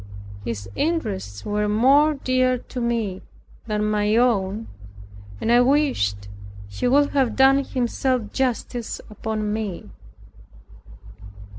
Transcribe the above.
His interests were more dear to me than my own, and I wished He would have done Himself justice upon me.